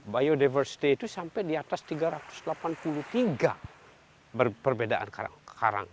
biodiversity itu sampai di atas tiga ratus delapan puluh tiga perbedaan karang